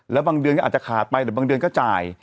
แล้วบางเดือนก็อาจจะขาดไปหรือบางเดือนก็จ่าย